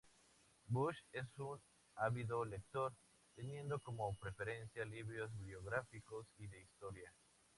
Bush es un ávido lector, teniendo como preferencia libros biográficos y de historia.